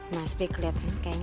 mas pi kelihatan kayaknya